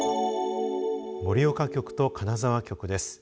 盛岡局と金沢局です。